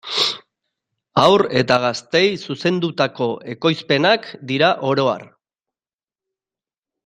Haur eta gazteei zuzendutako ekoizpenak dira oro har.